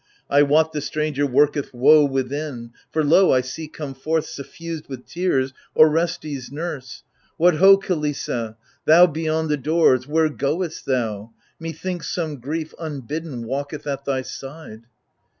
I wot the stranger worketh woe within — For lo I I see come forth, suffused with tears, Orestes' nurse. What ho, Kilissa — thou Beyond the doors ? Where goest thou ? Methinks Some grief unbidden walketh at thy side.